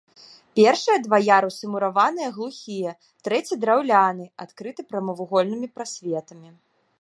Першыя два ярусы мураваныя глухія, трэці драўляны, адкрыты прамавугольнымі прасветамі.